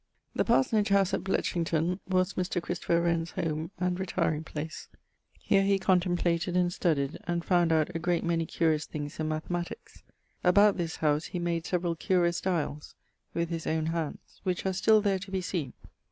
The parsonage house at Bletchington was Mr. Christopher Wren's home, and retiring place; here he contemplated, and studied, and found out a great many curious things in mathematiques. About this house he made severall curious dialls, with his owne handes, which are still there to be seen.